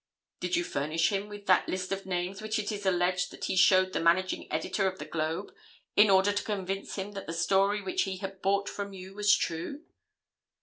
"Did you furnish him with that list of names which it is alleged that he showed the managing editor of the Globe, in order to convince him that the story which he had bought from you was true?"